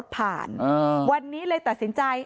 เมื่อเวลาอันดับ